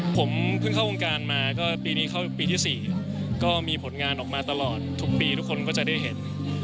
ผมเพิ่งเข้ากลางการมาที่ปี๔ก็มีผลงานออกมาตลอดทุกปีทุกคนก็จะได้เห็น